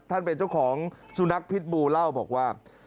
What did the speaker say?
เป็นเจ้าของสุนัขพิษบูเล่าบอกว่า